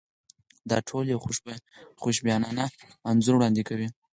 دا ټول یو خوشبینانه انځور وړاندې کوي.